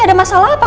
ada masalah apa